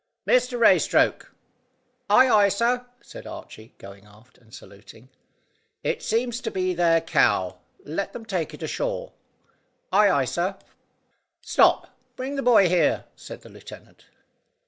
"Mr Raystoke!" "Ay, ay, sir!" said Archy, going aft and saluting. "It seems to be their cow; let them take it ashore." "Ay, ay, sir!" "Stop. Bring the boy here," said the lieutenant.